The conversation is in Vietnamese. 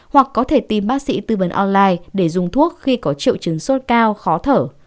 hoặc có thể tin bác sĩ tư vấn online để dùng thuốc khi có triệu chứng sốt cao khó thở